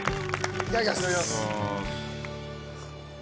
いただきます。